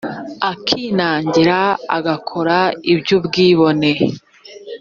akinangira agakora iby ubwibone